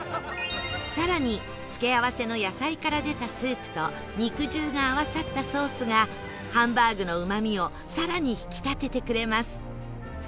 更に付け合わせの野菜から出たスープと肉汁が合わさったソースがハンバーグのうまみを更に引き立ててくれます